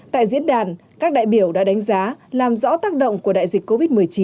tại diễn đàn các đại biểu đã đánh giá làm rõ tác động của đại dịch covid một mươi chín